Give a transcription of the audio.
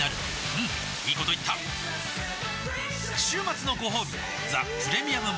うんいいこと言った週末のごほうび「ザ・プレミアム・モルツ」